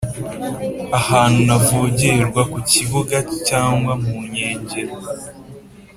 ahantu ntavogerwa ku kibuga cyangwa mu nkengero